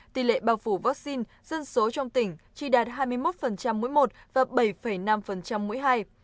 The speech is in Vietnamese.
tỷ lệ bao phủ vaccine dân số trong tỉnh chỉ đạt hai mươi một mỗi một và bảy năm mỗi hai